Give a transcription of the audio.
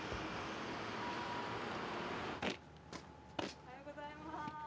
おはようございます。